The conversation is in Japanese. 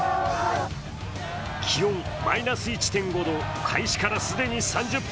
気温マイナス１．５度、開始から既に３０分。